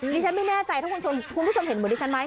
ดิฉันไม่แน่ใจถ้าคุณผู้ชมเห็นเหมือนดิฉันไหม